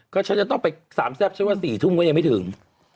ก็ฉันจะต้องไปสามแซ่บฉันว่า๔ทุ่มก็ยังไม่ถึง